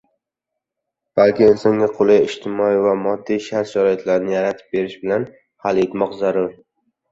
balki insonga qulay ijtimoiy va moddiy shart-sharoitlarni yaratib berish bilan hal etmoq zarur.